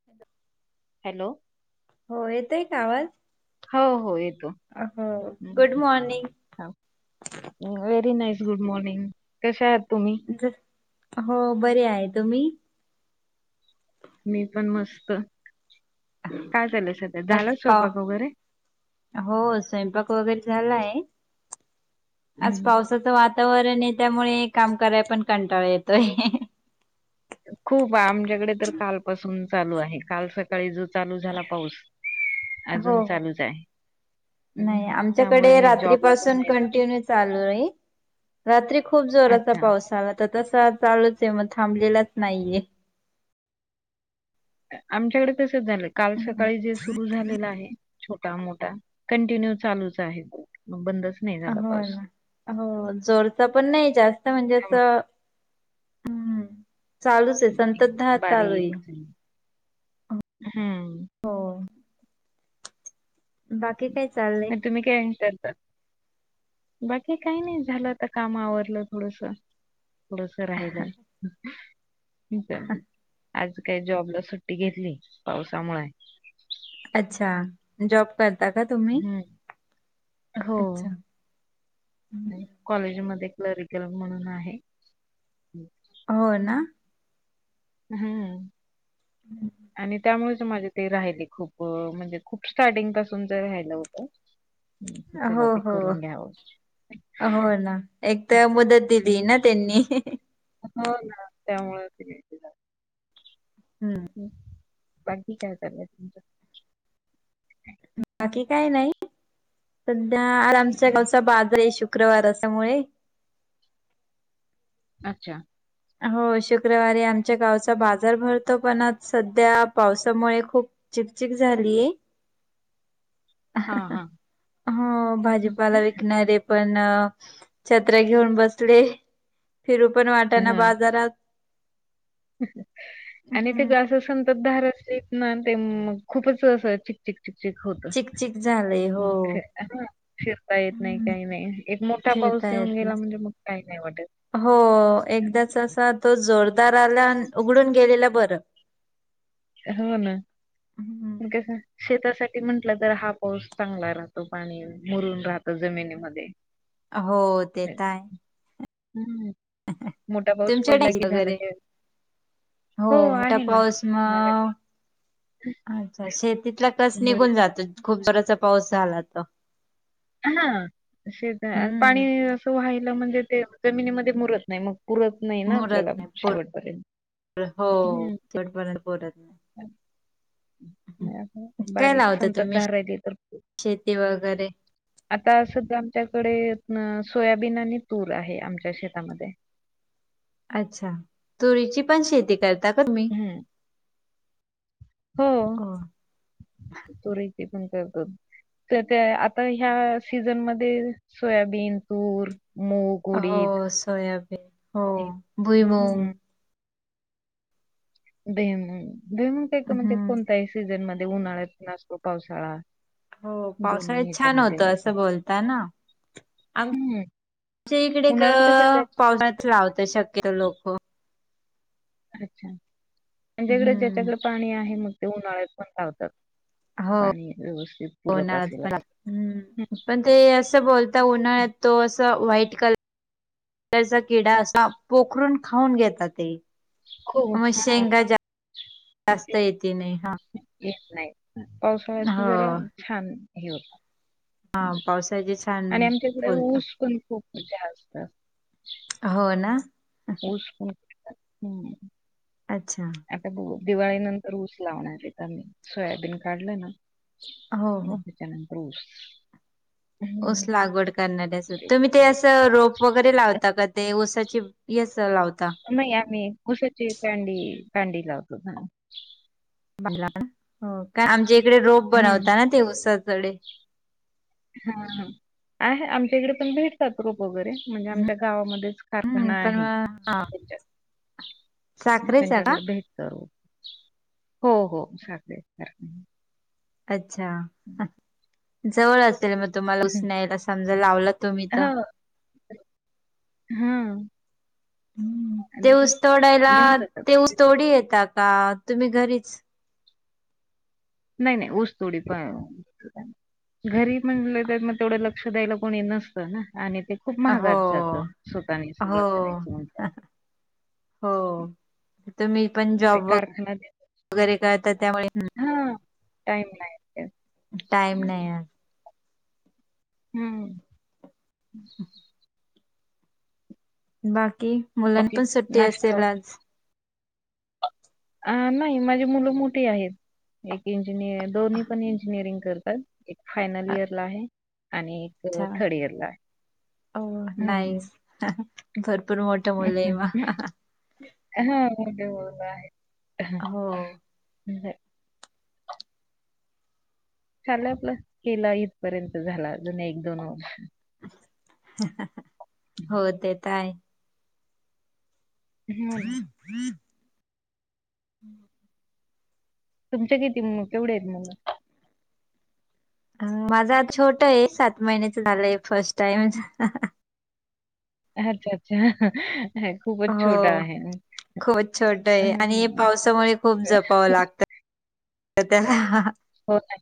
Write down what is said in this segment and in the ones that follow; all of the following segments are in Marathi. [inaudible] हॅलो. होय येतोय का आवाज? हो हो येतो. ह good morning. Very nice good morning. कशा आहात तुम्ही? हो बरी आहे. तुम्ही? मी पण मस्त. काय चालंय सध्या? आज झालं पाव स्वयपाक वगैरे? हो स्वयंपाक वगैरे झालाय. आज हम्म पावसाच वा तावरणे त्यामुळे काम कराय पण कंटाळा येतोय. खूप आमच्याकडे तर कालपासून चालू आहे. काल सकाळी जो चालू झाला पाऊस. हो अजून हो. चालूच आहे. नाही हम्म. त्यामुळे आमच्याकडे मी जॉबला पण रात्रीपासून नाही जाऊ कंटिन्यू चालूय. रात्री खूप शकत. जोराचा अच्छा पाऊस आला त तसा चालूचे. म थांबलेलाच नाहीये. आमच्याकडे तसच झालं. काल हम्म. सकाळी जे सुरु झालेलं आहे. छोटा मोठा कंटिन्यू चालूच आहे. म बंदच नाही झाला होय पाऊस. ना. हो जोरचा पण नाही जास्त म्हणजे अस त्यामुळे आहे संततधार चालू आहे. बारीक. हम्म. हो बाकी काय चालले? [unintelligible] बाकी काही नाही. झालं आता काम आवरलं थोडस. थडस राहिलंय. [unintelligible] आज काय जॉबला सुट्टी घेतली? पावसामुळे? अच्छा, जॉब करता का तुम्ही? हम्म. हो अच्छा. कॉलेजमध्ये क्लरिकल म्हणून आहे. हो ना. हम्म, आणि त्यामुळेच माझे ते राहिले खूप. म्हणजे खूप स्टार्टिंग पासून च रायलं होतं. म्हटलं चला हो ते हो करून घ्यावं. हो ना एक तर मुदत दिली हम्म. ना त्यांनी हो ना त्यामुळेच की. हम्म. बाकी काय चाललंय तुमचं? बाकी काय नाही. सध्या आज आमच्या हम्म. गावचा बाजार ये शू. शुक्रवार असामुळे. अच्छा. हो शुक्रवारी आमच्या गावचा बाजार भरतो पण, आज सध्या पावसामुळे खूप चीकचीक झालीये. हा हा हो हम्म. भाजीपाला विकणारे पण छत्र्या घेऊन बसले. फिरू पण वाटाना हा बाजारात. आणि ते हम्म असं संततधार असत ना ते खूपच असं चिकचिक. चिकचक होत, चिकचिक झालंय हो म काय फिरता येत नाही हम्म काय नाही एक मोठा पाऊस फिरता येत येऊन गेला, नाही म्हणजे मग काही नाही वाटत हो एकदाच असा तो जोरदार आला अन उघडून गेलेला बरं हो ना हम्म. कस शेतासाठी म्हंटलं तर हा पाऊस चांगला राहतो पाणी मुरून राहत जमिनीमध्ये. हो तेेत आहे हम्म मोठा पाऊस पडला तुमच्याकडे की झाल वगैरे ते हो मोठा आहे ना पाऊस माझ्याकडे मग अच्छा शेतीतल कस भरपूर निघून जात खूप जोराचा पाऊस झाला तर हा शेतात पाणी हम्म व्हायला म्हणजे ते जमिनीमध्ये मुरत नाही मग पुरत नाही ना आपल्याला मुरत नाही पोर शेवटपर्यंत हो हम् शेवटपर्यंत पुरत नाही. काय बारीक लावता तुम्ही संततधार राहिली तर शेती वगैरे आता सध्या आमच्याकडे सोयाबीन आणि तूर आहे आमच्या शेतामध्ये. अच्छा, तुरीची पण शेती करता का तुम्ही? हम्म. हो, तुरीची पण करतो तर त्या आता ह्या सीझनमध्ये सोयाबीन, तूर, मूग हो उडीद सोयाबीन हो भुईमंग हम्म, भुईमुंग एक म्हणजे हम्म. कोणत्याही सीझन मध्ये उन्हाळ्यात पण असतो पावसाळा हो दोन्ही पावसाळ्यात छान ह्याच्यामध्ये होतं, होतो असं बोलताना अ हम्म आमच्या इकडे का उन्हाळ्यात कसं त्या- पावसाळ्यात लावत शक्यतो लोक अच्छा म्हणजे इकड, हम्म. ज्याच्याकडे पाणी आहे मग ते उन्हाळ्यात पण लावतात हो पाणी व्यवस्तीत पुरत उन्हाळ्यात असेल पण लावतात. असं हम्म पण ते असं बोलता उन्हाळ्यात तो असं व्हाईट कलर किडा असा पोखरून खाऊन घेता ते हो. मग हां. शेंगा जा जास्त येते नाही हा घेत नाहीत, पावसाळ्यात जरा हो छान हे होत. हा पावसाचे छान आणि आमच्याकडे फुलत ऊस पण खूप जास्त हो ना. ऊस पण [unintelligible] हम. अच्छा. आता बघू दिवाळी नंतर ऊस लावणार येत आम्ही, सोयाबीन काढलं ना हो मग हो. त्याच्यानंतर ऊस ऊस हं. लागवड करणार्या [unintelligible] अस, तुम्ही ते असं रोप वगैरे लावता का ते ऊसाची येस [unintelligible] लावता? नाही आम्ही ऊसाची कांडी कांडी लावतो हा. [unintelligible] हो काय आमच्या इकडे रोप हं. बनवता ना ते उसाकडे हा आहे, आमच्या इकडे पण भेटतात रोप वगैरे म्हणजे आमच्या गावामध्येच हम्म कारखाना पण आहे, मग तर हा त्यांच्यात साखरेचा का त्यांच्याकडे भेटत रोप, हो हो चालेल [unintelligible] अच्छा जवळ असेल, मग तुम्हाला ऊस न्यायला समजा लावला तुम्ही तर हम हं, ते ऊस तोडायला घेऊन जातात. ते ऊस तोडी येता का, तुम्ही घरीच? नाही -नाही उसतोडी येतात. घरी म्हणले तर म तेवढं लक्ष द्यायला कोणी नसतं ना, आणि ते खूप महागात हो जात स्वतःनी सगळं हो करायचं म्हटल्यावर. हो तुम्ही पण ते जॉब व कारखान्यात वगैरे करता त्यामुळे, हं हा टाईम नाही मिळत. टाइम नाही, हा. हम्म, बाकी, मुलांना बाकी पण सुट्टी असेल नाश्ता आज? अ नाही माझी मुलं मोठी आहेत, एक इंजिनिअर, दोन्ही पण इंजिनिअरिंग करत तात, एक फायनल इयर ला आहे, आणि एक अच्छा थर्ड इयरला आहे, हम्म. हाहा, भरपूर मोठे मुलं ये म हाहा. हा मोठे मुलं आहे. हो, [inaudible] चालंल आपलं केला इथं पर्यंत झाला, अजुन एक दोन व हो, ते त आहे. ना [inaudible] तुमचे किती म केवढेत मुलं? माझा आ छोट आहे सात महिन्याच झालंय, फर्स्ट टाइम च. अच्छा -अच्छा, खूपच हो छोटा आहे. खूपच छोटं ये आणि हे हं. पावसामुळे खुप जपावं लागतं. त त्याला. हो ना,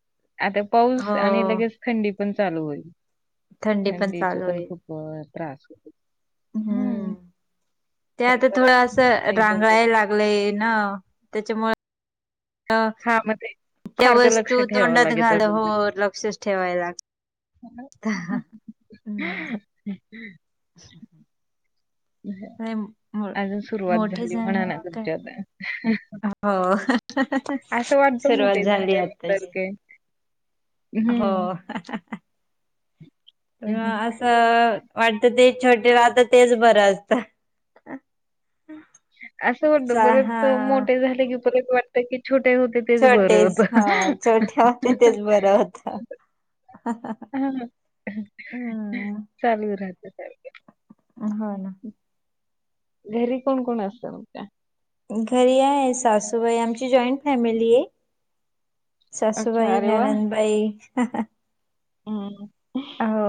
आता पाऊस हो आणि लगेच थंडी पण चालू होईल. थंडी थंडीच चालू पण आहे खूप त्रास होतो. हम्म, हं. ते आता थोडं असं दिन रांगायला लागलं. लंय ना त्याच्यामुळं [inaudible] अ हां, मग ते त्या सारखं लक्ष वस्तू ठेवावं तोंडात लागेल घाल हो अजून लक्षच ठेवायला लागतं. हम, [unintelligible] [inaudible] नाही, मो- अजून सुरुवात मोठे झाली म्हणाय झाल्यावर लागलं काय त्याला हो, सुरुवात मोठे झाली झाल्यानंतर आत्ताशी. काय हो, हा हं. अस त वाटत ते छोटे राहता तेच बरं असतं. असं वाटतं परत मोठे झाले की, परतं वाटत की छोटे होते तेच बरं छोटेच होतं. अच्छा, हा ना, हम्म चालू राहतं त्याचं. हो ना. [inaudible] घरी कोण- कोण असतं तुमच्या? घरी आहे सासूबाई आमची जॉईंट फॅमिली आहे. अच्छा, सासूबाई, अरे ननंद बाई हम्म,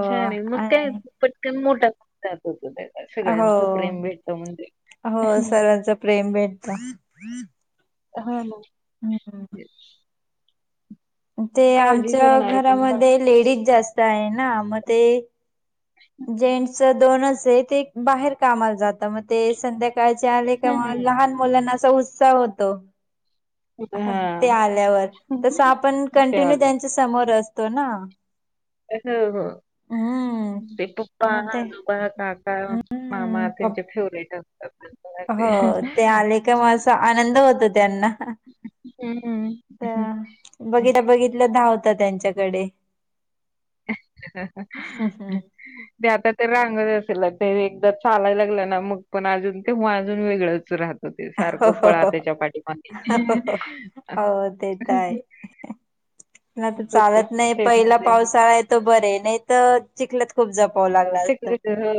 छान आहे मगं काय आणि पटकन मोठा जात होत त्या हो सगळ्यांचं प्रेम भेटत म्हणजे हो सर्वांच प्रेम भेटत. हा. ते काळजी आमच्या करणारे पण लागतात. घरामध्ये लेडीज जास्त आहे ना मग ते जेन्स अस दोनच ते बाहेर कामाला जात मग ते संध्या काळचे आले का हं, मग हं. लहान मुलांना असा उत्साह होतो. ते हां. आल्यावर तस आपण कंटिन्यू चालेल. त्यांच्या समोर असतो ना. हो हो हम्म ते पप्पा मग ते [unintelligible] परत काका, मामा हम्म त्यांचे पप- फेवरेट अस हो ते आले का मग असा आनंद होतो त्यांना. हं, अ हं. बघितल्या, बघितल्या धावता त्यांच्याकडे. [unintelligible] हो ते आता ते रांगच असेल ते एकदा चालाय लागलं ना मग पण अजून ते माजून वेगळंच राहत. होते सारखं हो पळा हो त्याच्या पाठीमागे. हो हो, नाही तर चालत प्रत्येक नाही स्टेप पहिला मध्ये पावसाळा आहे तो बरे नाही तर चिखलात खूप जपाव लागल असत. सेक्रेटरी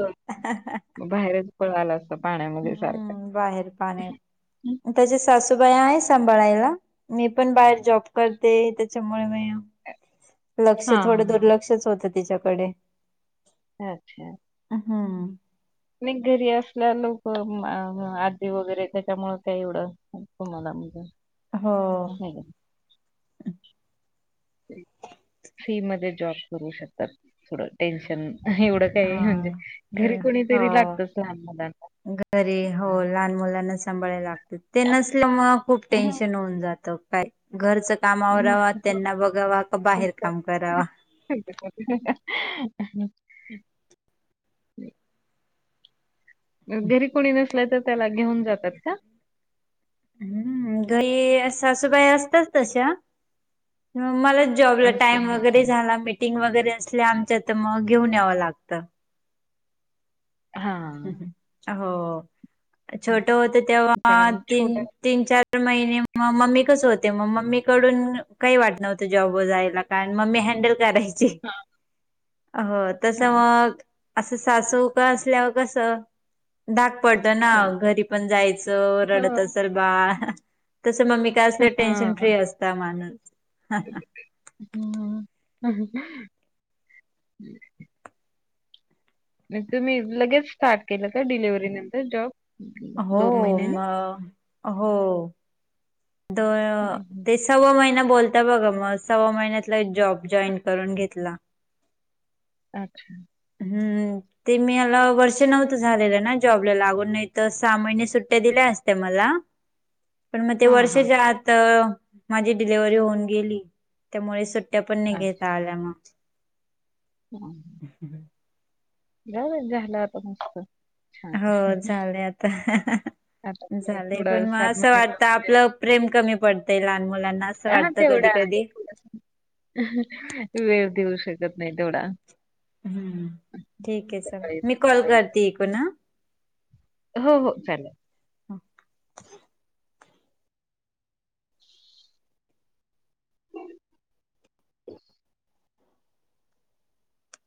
बाहेरच पळाला. पाण्यामध्ये सारखा हम्म, बाहेर पाण्यात तश्या सासूबाई आहेत सांभाळाला. मी पण बाहेर जॉब करते त्याच्यामुळे मी अ [inaudible] लक्ष थोडं दुर्लक्षच होतं तिच्याकडे हा अच्छा हम्म. नाही घरी असल्या लोक आजी वगैरे त्याच्यामुळ काय एवढं तुम्हाला म्हणजे हो. नाही का फी मध्ये जॉब करू शकतात थोड टेन्शन एवढ काही हा म्हणजे घरी ए- कोणी हो तरी लागतच लहान घरी हो मुलांना. लहान मुलांना सांभायला लागते ते नसल्यामुळे खूप टेन्शन होऊन जात का घरच काम हं. अवरवा त्यांना बघावा का बाहेर काम करावा. [unintelligible] घरी कोणी नसलाय तर त्याला घेऊन जातात का? हम्म, घरी सासूबाई असताच तशा मला जॉबला असं टाईम वगैरे अच्छा. झाला मीटिंग वगैरे असल्या आमच्या तर मग घेऊन यावं लागत. हां, हो छोट होत तेव्हा कारण छोटा तीन तीन, चार महिने मग मम्मी कडे होते मग मम्मी कडून काही वाटत नव्हतं जॉब वर जायला. काय मम्मी हँडल करायची. ची हां, हो तस हां. मग अस सासु काळ असल्यावर कस धाक पडतो ना हो. घरी पण जायच रडत हो. असल बाळ तस मम्मी काडे असल्यावर टेन्शन हां. फ्री असत माणूस. हम्म. हम्म [inaudible] तुम्ही लगेच स्टार्ट केलं का डिलिव्हरी नंतर जॉब? हो महिन्याने? म हो द हं, हं. तेच [inaudible] सव्वा महिना बोलता बघा मग सव्वा महिन्यातला एक जॉब जॉईन करून घेतला. अच्छा हम्म ते मला वर्ष नव्हतं झालेलं ना जॉबला लागून नाही तर सहा महिने सुट्ट्या दिल्या असत्या मला. पण मग ते हां, हां. वर्षाच्या आत माझी डिलव्हरी होऊन गेली. त्यामुळे सुट्ट्या पण नाही अच्छा. घेता आल्या मग. [inaudible] [inaudible] जाऊदे झाल आता मस्त छान. हो झाले, आता आता ते झाले थोडं पण म असं महिन्याचं वाटत म्हणजे आपलं प्रेम कमी पडतय लहान मुलांना असं हा वाटतं कधी तेवढा अ कधी ह वेळ देऊ शकत नाही तेवढा. हम्म ठीकये चल सकाळी मी कॉल करते इकुन अ हो, हो चालेल.